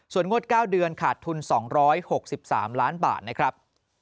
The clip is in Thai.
ส่วนงวด๙เดือนขาดทุน๒๖๓ล้านบาทนะครับ